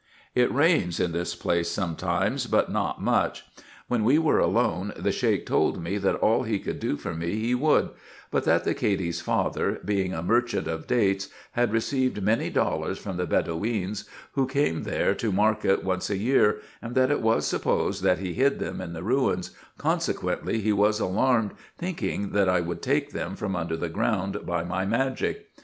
It rains in this place sometimes, but not much. When we were alone, the Sheik told me, that all he could do for me he would ; but that the Cady's father, being a mer chant of dates, had received many dollars from the Bedoweens, who came there to market once a year, and that it was supposed that he hid them in the ruins ; consequently he was alarmed, thinking that I would take them from under the ground by my magic.